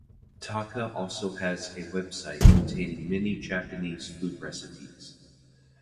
Taka also has a website containing many Japanese food recipes.